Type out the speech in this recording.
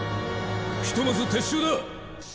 ひとまず撤収だ！